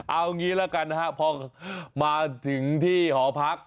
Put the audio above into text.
เอางี้แล้วกันนะครับพอมาถึงที่หอพัก